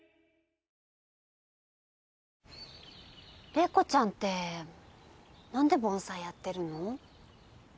怜子ちゃんってなんで盆栽やってるの？